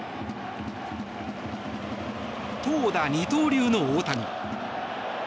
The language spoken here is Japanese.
投打二刀流の大谷。